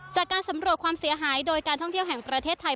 จากการสำรวจความเสียหายโดยการท่องเที่ยวแห่งประเทศไทย